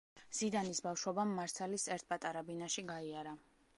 ზიდანის ბავშვობამ მარსელის ერთ პატარა ბინაში გაიარა.